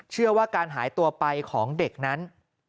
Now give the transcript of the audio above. เชื่อว่าการหายตัวไปของเด็กนั้น